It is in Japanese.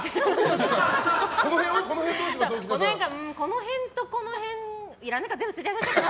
この辺とこの辺、いらないから全部捨てちゃいましょうって。